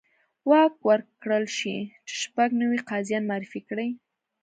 واک ورکړل شي چې شپږ نوي قاضیان معرفي کړي.